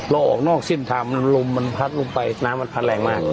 ออกนอกเส้นทางลมมันพัดลงไปน้ำมันพัดแรงมาก